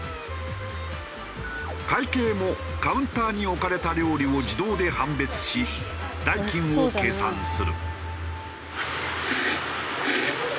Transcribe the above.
会計もカウンターに置かれた料理を自動で判別し代金を計算する。